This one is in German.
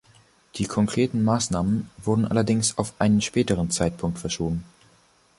Die konkreten Maßnahmen wurden allerdings auf einen späteren Zeitpunkt verschoben.